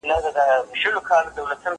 انځورونه رسم کړه.